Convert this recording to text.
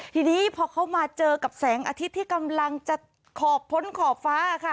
ทีนี้พอเขามาเจอกับแสงอาทิตย์ที่กำลังจะขอบพ้นขอบฟ้าค่ะ